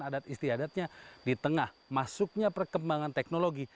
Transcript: adat istiadatnya di tengah masuknya perkembangan teknologi